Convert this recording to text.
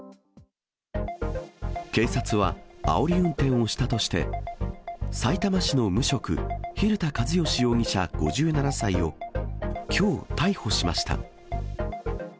警察は、あおり運転をしたとして、さいたま市の無職、蛭田和良容疑者５７歳を、きょう逮捕しました。